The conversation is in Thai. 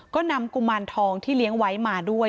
ก็นำกุมารทองที่เลี้ยงไว้มาด้วย